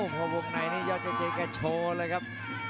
หัวบุกในนี้ยอดเจเจแกแกโชว์เลยครับ